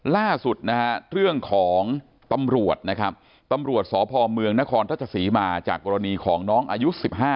ล่าสุดเรื่องของตำรวจตำรวจสพมนครทัศน์ศรีมาจากกรณีของน้องอายุ๑๕